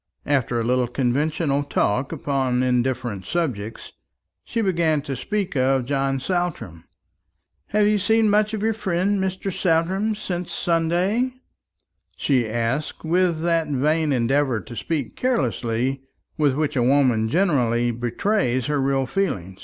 After a little conventional talk upon indifferent subjects, she began to speak of John Saltram. "Have you seen much of your friend Mr. Saltram since Sunday?" she asked, with that vain endeavour to speak carelessly with which a woman generally betrays her real feeling.